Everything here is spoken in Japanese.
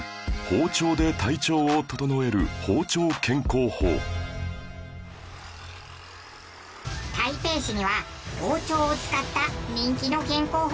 包丁で体調を整える台北市には包丁を使った人気の健康法があるんです。